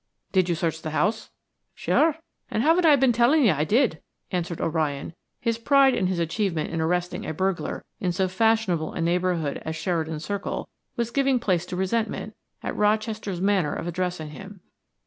"Did you search the house?" "Sure, and haven't I been telling you I did?" answered O'Ryan; his pride in his achievement in arresting a burglar in so fashionable a neighborhood as Sheridan Circle was giving place to resentment at Rochester's manner of addressing him.